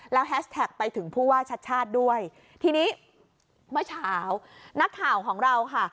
แล้วแฮชแท็กไปถึงผู้ว่าชัดชาติด้วยทีนี้เมื่อเช้านักข่าวของเราค่ะ